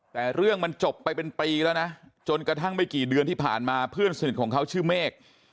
แต่เรื่องมันจบไปเป็นปีแล้วนะจนกระทั่งไม่กี่เดือนที่ผ่านมาเพื่อนสนิทของเขาชื่อเมฆ